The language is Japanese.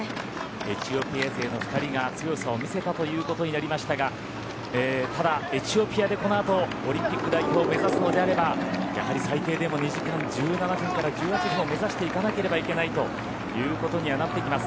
エチオピア勢の２人が強さを見せたということになりましたがただ、エチオピアでこのあとオリンピック代表を目指すのであればやはり最低でも２時間１７分から１８分を目指していかなければいけないということになってきます。